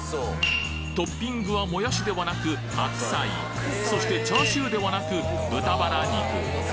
トッピングはもやしではなく白菜そしてチャーシューではなく豚バラ肉。